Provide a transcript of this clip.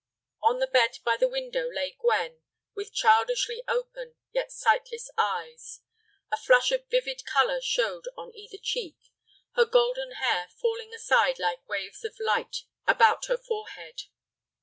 On the bed by the window lay Gwen, with childishly open yet sightless eyes. A flush of vivid color showed on either cheek, her golden hair falling aside like waves of light about her forehead.